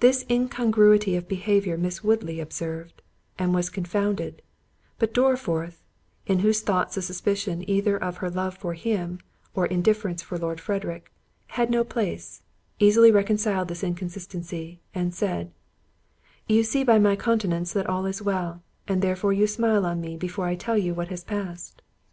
This incongruity of behaviour Miss Woodley observed, and was confounded—but Dorriforth, in whose thoughts a suspicion either of her love for him, or indifference for Lord Frederick, had no place, easily reconciled this inconsistency, and said, "You see by my countenance that all is well, and therefore you smile on me before I tell you what has passed."